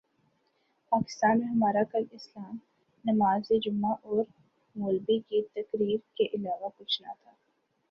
پاکستان میں ہمارا کل اسلام نماز جمعہ اور مولبی کی تقریر کے علاوہ کچھ نہ تھا